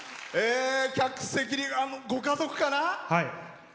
客席に、ご家族かな。